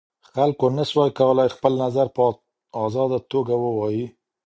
خلګو نسوای کولای خپل نظر په ازاده توګه ووایي.